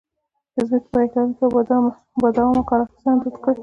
د ځمکې پایښت لرونکې او بادوامه کار اخیستنه دود کړي.